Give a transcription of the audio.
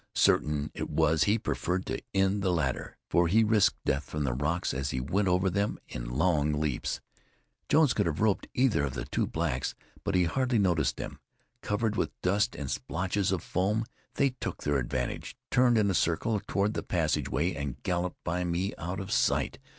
Certain it was he preferred to end the latter, for he risked death from the rocks as he went over them in long leaps. Jones could have roped either of the two blacks, but he hardly noticed them. Covered with dust and splotches of foam, they took their advantage, turned on the circle toward the passage way and galloped by me out of sight.